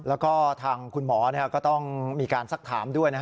แล้วก็ทางคุณหมอก็ต้องมีการสักถามด้วย